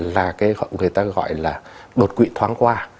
là cái gọi người ta gọi là đột quỵ thoáng qua